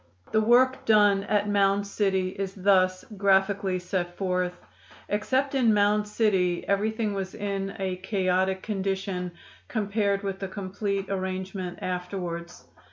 The work done at Mound City is thus graphically set forth: "Except in Mound City everything was in a chaotic condition compared with the complete arrangement afterwards.